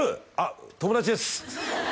友達です